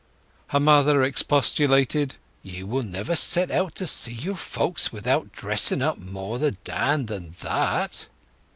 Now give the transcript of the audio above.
Her mother expostulated. "You will never set out to see your folks without dressing up more the dand than that?"